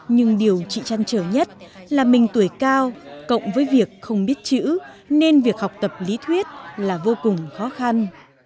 nhưng điều chị chăn trở nhất là mình tuổi cao cộng với việc không biết chữ nên việc học tập lý thuyết là vô cùng khó khăn